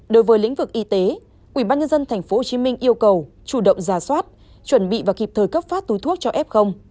đối với lĩnh vực y tế ubnd tp hcm yêu cầu chủ động ra soát chuẩn bị và kịp thời cấp phát túi thuốc cho f